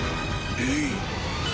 えっ！？